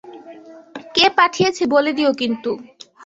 কে পাঠিয়েছে বলে দিও কিন্তু।